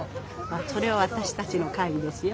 それはわたしたちの会ですよ。